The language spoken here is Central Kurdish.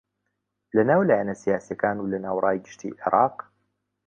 لەناو لایەنە سیاسییەکان و لەناو ڕای گشتی عێراق